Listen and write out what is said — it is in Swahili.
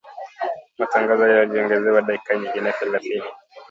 Matangazo hayo yaliongezewa dakika nyingine thelathini